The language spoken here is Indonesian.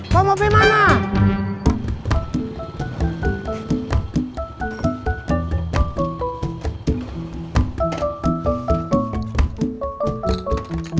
mau mau pilih mana